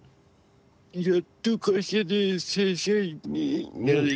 やっと会社で正社員になれて。